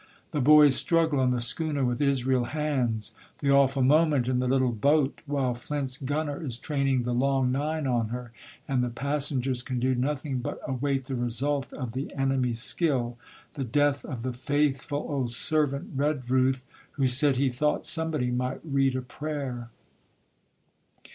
The boy's struggle on the schooner with Israel Hands; the awful moment in the little boat, while Flint's gunner is training the "long nine" on her, and the passengers can do nothing but await the result of the enemy's skill; the death of the faithful old servant, Redruth, who said he thought somebody might read a prayer.